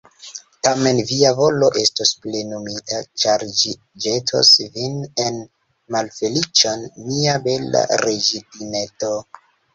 Tamen via volo estos plenumita, ĉar ĝi ĵetos vin en malfeliĉon, mia bela reĝidineto.